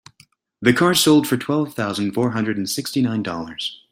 The car sold for twelve thousand four hundred and sixty nine dollars.